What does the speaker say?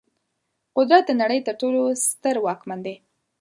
قدرت د نړۍ تر ټولو ستر واکمن دی.